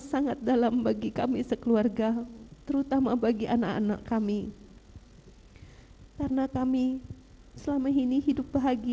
sangat dalam bagi kami sekeluarga terutama bagi anak anak kami karena kami selama ini hidup bahagia